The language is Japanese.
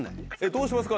どうしますか？